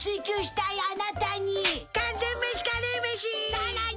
さらに！